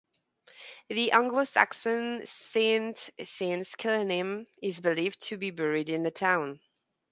The Anglo-Saxon saint Saint Kenelm is believed to be buried in the town.